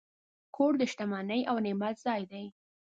کور د شتمنۍ او نعمت ځای دی.